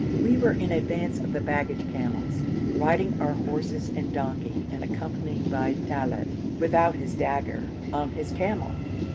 We were in advance of the baggage camels, riding our horses and donkey, and accompanied by Talib, without his dagger, on his camel.